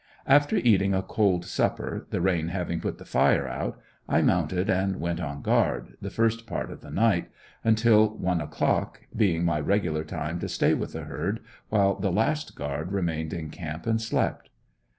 After eating a cold supper, the rain having put the fire out, I mounted and went on "guard," the first part of the night, until one o'clock, being my regular time to stay with the herd, while the last "guard" remained in camp and slept.